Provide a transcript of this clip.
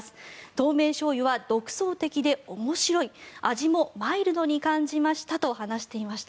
透明醤油は独創的で面白い味もマイルドに感じましたと話していました。